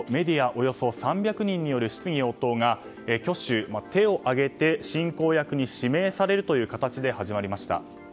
およそ３００人による質疑応答が挙手、手を挙げて進行役に指名されるという形で始まりました。